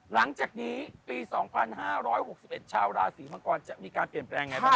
หลังจากนี้ปี๒๕๖๑ชาวราศีมังกรจะมีการเปลี่ยนไปไง